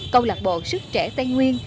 câu lạc bộ sức trẻ tây nguyên